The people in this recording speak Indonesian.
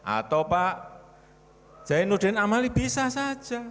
atau pak zainuddin amali bisa saja